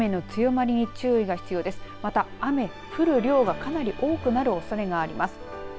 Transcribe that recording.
また雨、降る量がかなり多くなるおそれがあります。